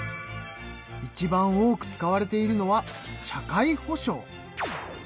いちばん多く使われているのは社会保障。